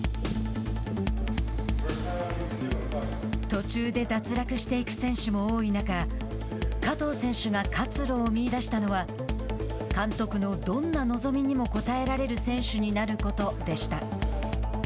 途中で脱落していく選手も多い中加藤選手が活路を見いだしたのは監督のどんな望みにも応えられる選手になることでした。